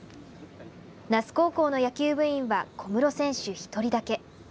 那須高校の野球部員は小室選手１人だけ。